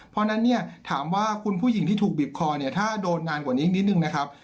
เพราะฉะนั้นเนี่ยถามว่าคุณผู้หญิงที่ถูกบีบคอเนี่ยถ้าโดนนานกว่านี้อีกนิดนึงนะครับ